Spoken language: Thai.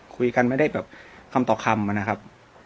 คุยกันไม่ได้แบบคำต่อคำนะครับ